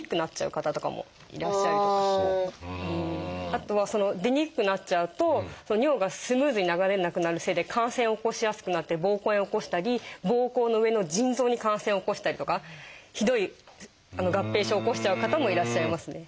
あとは出にくくなっちゃうと尿がスムーズに流れなくなるせいで感染を起こしやすくなってぼうこう炎を起こしたりぼうこうの上の腎臓に感染を起こしたりとかひどい合併症を起こしちゃう方もいらっしゃいますね。